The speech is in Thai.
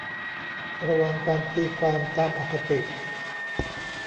ระวังการตีความตามอคติ